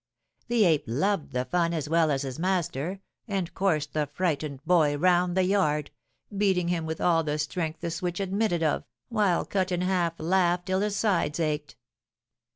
The ape loved the fun as well as his master, and coursed the frightened boy round the yard, beating him with all the strength the switch admitted of, while Cut in Half laughed till his sides ached.